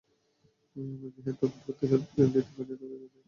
আমরা যেহেতু তাদের প্রত্যাশার প্রতিদান দিতে পারিনি, তাই তাদের কাছে ক্ষমাই চাইছি।